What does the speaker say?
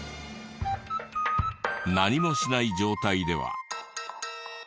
何もしない状態では。